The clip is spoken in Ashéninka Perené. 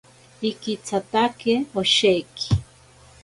Ikitsatake osheki.